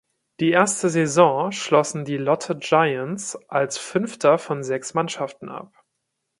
Die erste Saison schlossen die Lotte Giants als Fünfter von sechs Mannschaften ab.